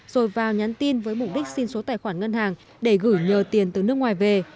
rồi vào nhắn tin với mục đích xin số tài khoản ngân hàng để gửi nhờ tiền từ nước ngoài về